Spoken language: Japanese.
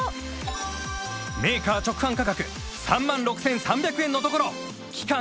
メーカー直販価格３万６３００円のところ期間